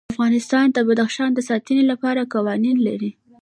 افغانستان د بدخشان د ساتنې لپاره قوانین لري.